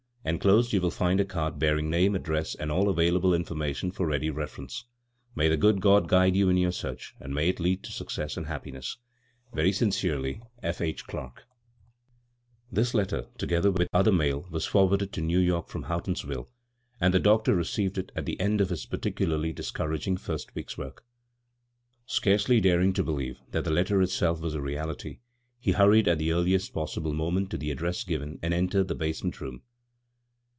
Enclosed you will find card bearing name, address, and all available in formation for ready reference. May the good God g^ide you in your search, and may it lead to success and happiness. " Very sincerely yours, "F.H. Clark." b, Google CROSS CURRENTS This letter, together with other mail, was forwarded to New York from Houghtons ville, aod the doctor received it at the end of his particulajly discouraging first week's work. Scarcely daring to believe that the letter itself was a reality, he hurried at the earliest possible moment to the address given, and entered the basement room.